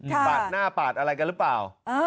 ปาดหน้าปาดอะไรกันหรือเปล่า